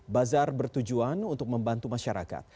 bazar bertujuan untuk membantu masyarakat